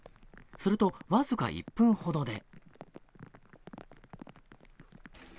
すると、わずか１分ほどで。